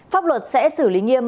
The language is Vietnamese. pháp luật sẽ xử lý nghiêm